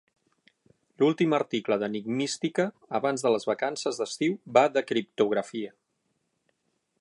L'últim article d'enigmística abans de les vacances d'estiu va de criptografia.